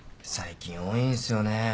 最近多いんすよね。